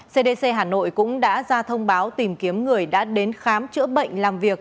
cdc hà nội cũng đã ra thông báo tìm kiếm người đã đến khám chữa bệnh làm việc